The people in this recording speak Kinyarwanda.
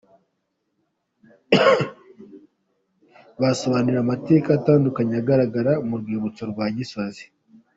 Basobanuriwe amateka atandukanye agaragara mu rwibutso rwa Gisozi.